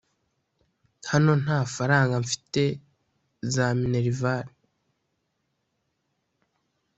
Hano ntafaranga mfite za Minerval